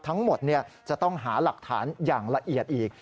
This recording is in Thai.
ทั้งหมดจะต้องหาหลักฐานอย่างละเอียดอีก